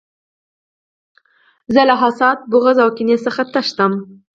زه له حسد، بغض او کینې څخه تښتم.